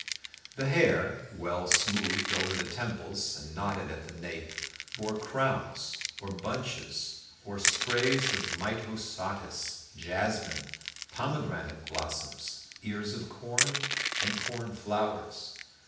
The hair, well smoothed over the temples and knotted at the nape, bore crowns, or bunches, or sprays of myosotis, jasmine, pomegranate blossoms, ears of corn, and corn flowers.